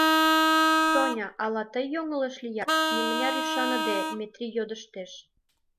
— Соня, ала тый йоҥылыш лият? — нимыняр ӱшаныде, Метрий йодыштеш.